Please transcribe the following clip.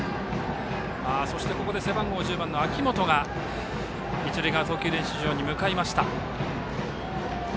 ここで背番号１０番の秋本が一塁側の投球練習場に向かいました。